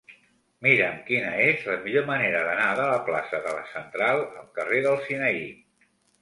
Mira'm quina és la millor manera d'anar de la plaça de la Central al carrer del Sinaí.